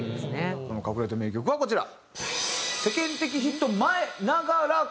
その隠れた名曲がこちら。